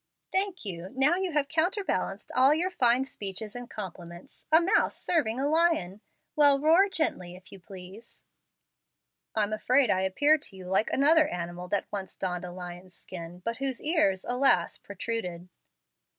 "Thank you. Now you have counterbalanced all your fine speeches and compliments. 'A mouse serving a lion!' Well, roar gently if you please." "I'm afraid I appear to you like another animal that once donned a lion's skin, but whose ears, alas, protruded."